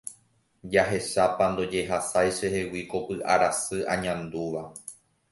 Jahechápa ndojehasái chehegui ko py'arasy añandúva.